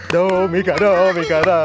domi gara domi gara